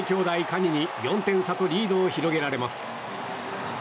可児に４点差とリードを広げられます。